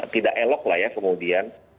tidak elok lah ya kemudian